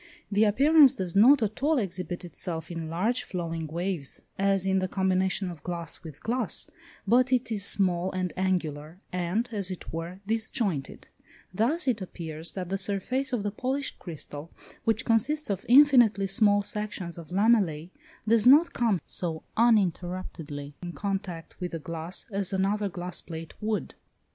The appearance does not at all exhibit itself in large flowing waves, as in the combination of glass with glass, but it is small and angular, and, as it were, disjointed: thus it appears that the surface of the polished crystal, which consists of infinitely small sections of lamellæ, does not come so uninterruptedly in contact with the glass as another glass plate would.